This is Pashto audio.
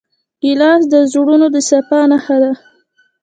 ګیلاس د زړونو د صفا نښه ده.